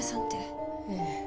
ええ。